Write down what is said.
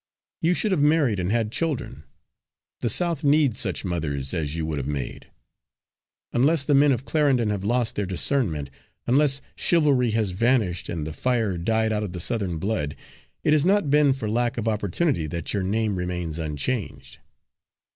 "You should have married and had children. The South needs such mothers as you would have made. Unless the men of Clarendon have lost their discernment, unless chivalry has vanished and the fire died out of the Southern blood, it has not been for lack of opportunity that your name remains unchanged."